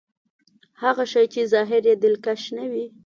هغه شی چې ظاهر يې دلکش نه وي.